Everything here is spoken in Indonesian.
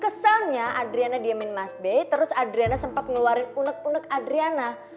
keselnya adriana diemin mas by terus adriana sempat ngeluarin unek unek adriana